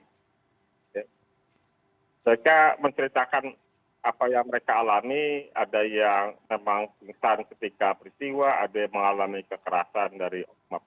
mereka menceritakan apa yang mereka alami ada yang memang pingsan ketika peristiwa ada yang mengalami kekerasan dari oknum